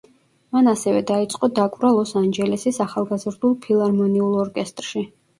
მან ასევე დაიწყო დაკვრა ლოს ანჯელესის ახალგაზრდულ ფილარმონიულ ორკესტრში.